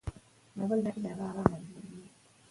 که وینا ښه وي نو اوریدونکی نه ځي.